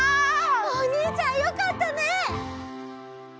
おにいちゃんよかったね！